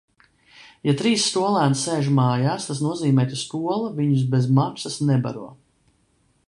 Ja trīs skolēni sēž mājās, tas nozīmē, ka skola viņus bez maksas nebaro...